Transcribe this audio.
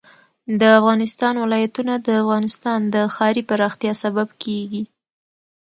د افغانستان ولايتونه د افغانستان د ښاري پراختیا سبب کېږي.